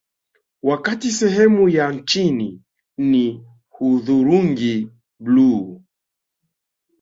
Wakati sehemu ya chini ni hudhurungi bluu